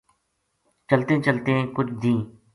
چلتیں چلتیں کجھ دیہنہ